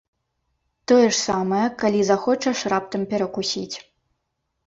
Тое ж самае, калі захочаш раптам перакусіць.